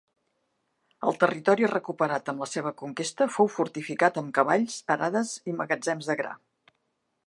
El territori recuperat amb la seva conquesta fou fortificat amb cavalls, arades i magatzems de gra.